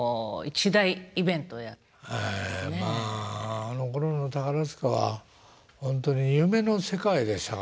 まああのころの宝塚は本当に夢の世界でしたからね。